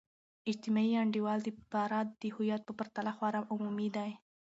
اجتماعي انډول د فرد د هویت په پرتله خورا عمومی دی.